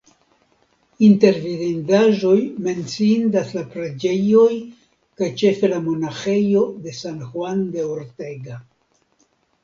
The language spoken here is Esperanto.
Inter vidindaĵoj menciindas la preĝejoj kaj ĉefe la monaĥejo de San Juan de Ortega.